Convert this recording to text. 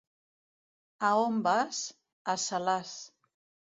A on vas? A Salàs.